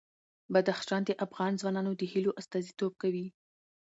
بدخشان د افغان ځوانانو د هیلو استازیتوب کوي.